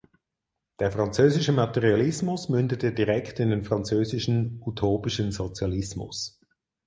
Der französische Materialismus mündete direkt in den französischen utopischen Sozialismus.